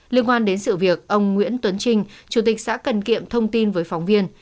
liên quan đến sự việc ông nguyễn tuấn trình chủ tịch xã cần kiệm thông tin với phóng viên